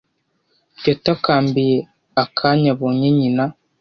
Yatakambiye akanya abonye nyina.